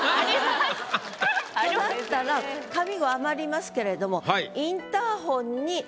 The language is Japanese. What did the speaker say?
となったら上五余りますけれども「インターホンに」